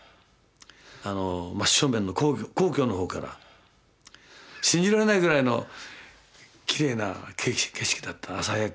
あの真っ正面の皇居の方から信じられないぐらいのきれいな景色だった朝焼け。